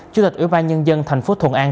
chủ tịch ủy ban nhân dân thành phố thuận an